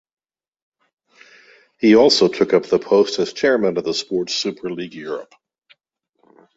He also took up the post as Chairman of the sport's Super League Europe.